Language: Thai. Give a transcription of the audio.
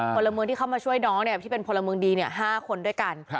พลเมืองที่เข้ามาช่วยน้องที่เป็นพลเมืองดี๕คนด้วยกัน